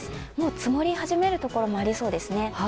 積もり始める所もありそうですね。